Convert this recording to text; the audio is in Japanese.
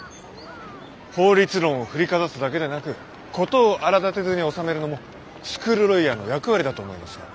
法律論を振りかざすだけでなく事を荒だてずに収めるのもスクールロイヤーの役割だと思いますが。